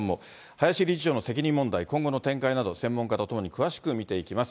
林理事長の責任問題、今後の展開など、専門家と共に詳しく見ていきます。